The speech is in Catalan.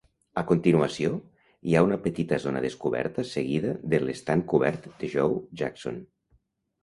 A continuació, hi ha una petita zona descoberta seguida de l'estand cobert de Joe Jackson.